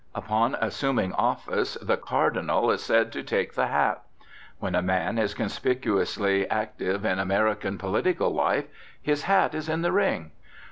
Upon assuming office the cardinal is said to "take the hat." When a man is conspicuously active in American political life "his hat is in the ring."